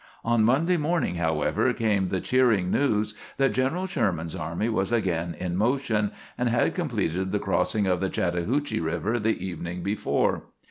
On Monday morning, however, came the cheering news that General Sherman's army was again in motion, and had completed the crossing of the Chattahoochee River the evening before.